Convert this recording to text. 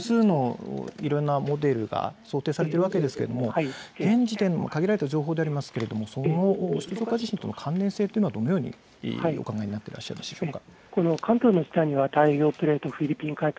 複数のいろいろなモデルが想定されているわけですが現時点でかぎられた情報でありますけれどもその首都直下地震の関連性とはどのようにお考えになっていらっしゃるでしょうか。